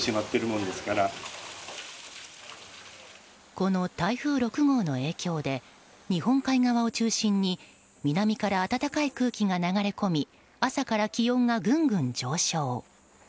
この台風６号の影響で日本海側を中心に南から暖かい空気が流れ込み朝から気温がぐんぐん上昇。